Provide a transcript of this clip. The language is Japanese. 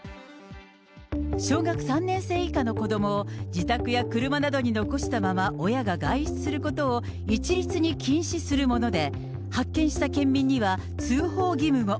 小学３年生以下の子どもを自宅や車などに残したまま親が外出することを一律に禁止するもので、発見した県民には通報義務も。